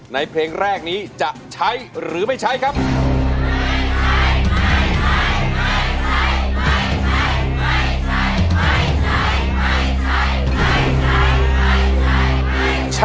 ใบเตยเลือกใช้ได้๓แผ่นป้ายตลอดทั้งการแข่งขัน